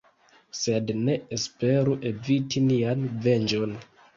Sed ne esperu eviti nian venĝon.